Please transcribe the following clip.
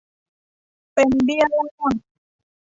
เป็นเบี้ยล่าง